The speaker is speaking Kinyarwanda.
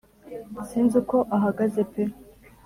sinzi uko ahagaze pe